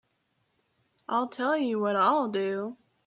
I'll tell you what I'll do.